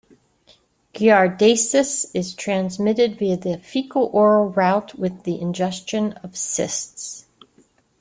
Giardiasis is transmitted via the fecal-oral route with the ingestion of cysts.